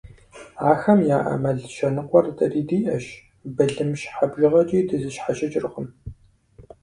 Ахэм яӏэ мэл щэныкъуэр дэри диӏэщ, былым щхьэ бжыгъэкӏи дызэщхьэщыкӏыркъым.